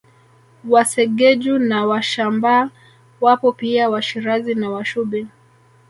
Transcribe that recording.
Wasegeju na Washambaa wapo pia Washirazi na Washubi